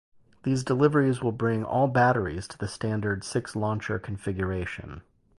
These deliveries will bring all batteries to the standard six launcher configuration.